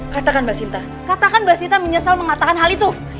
katakan mbak sinta katakan mbak sinta menyesal mengatakan hal itu